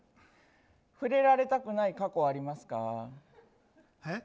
触れられたくない過去とかありますか？